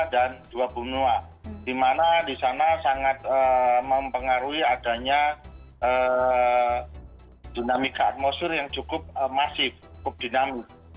dan dua bumua dimana di sana sangat mempengaruhi adanya dinamika atmosfer yang cukup masif cukup dinamis